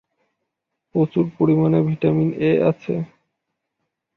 প্রচুর পরিমাণে vitamin ‘A’ আছে।